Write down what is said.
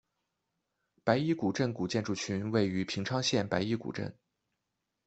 白衣古镇古建筑群位于平昌县白衣古镇。